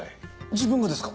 自分がですか？